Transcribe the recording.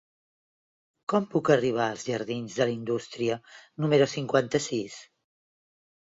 Com puc arribar als jardins de la Indústria número cinquanta-sis?